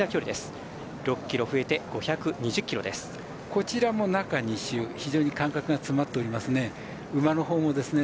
こちらも中２週非常に間隔が詰まっておりますね。